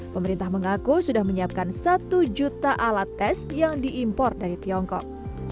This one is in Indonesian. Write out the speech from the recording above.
pemerintah mengaku sudah menyiapkan satu juta alat tes yang diimpor dari tiongkok